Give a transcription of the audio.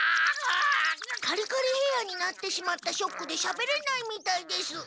カリカリヘアーになってしまったショックでしゃべれないみたいです。